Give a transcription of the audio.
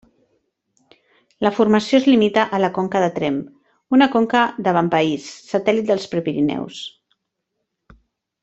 La formació es limita a la conca de Tremp, una conca d'avantpaís satèl·lit dels Prepirineus.